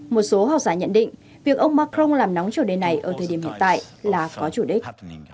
một số học giả nhận định việc ông macron làm nóng chủ đề này ở thời điểm hiện tại là có chủ đích